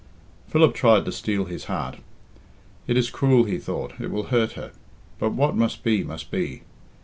Philip tried to steel his heart. "It is cruel," he thought, "it will hurt her; but what must be, must be."